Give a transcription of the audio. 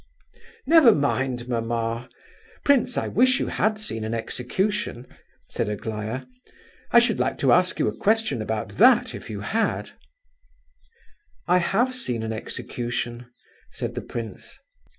"Never mind, mamma! Prince, I wish you had seen an execution," said Aglaya. "I should like to ask you a question about that, if you had." "I have seen an execution," said the prince.